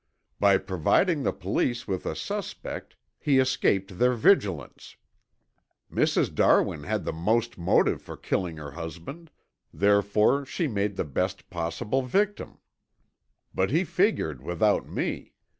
"By providing the police with a suspect he escaped their vigilance. Mrs. Darwin had the most motive for killing her husband; therefore, she made the best possible victim. But he figured without me.